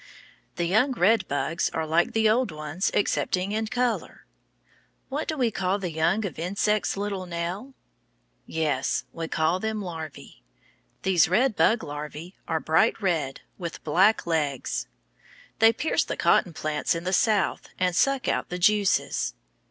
The young red bugs are like the old ones, excepting in color. What do we call the young of insects, little Nell? Yes, we call them larvæ. These red bug larvæ are bright red with black legs. They pierce the cotton plants in the South, and suck out the juices.